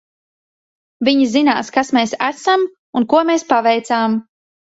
Viņi zinās, kas mēs esam un ko mēs paveicām.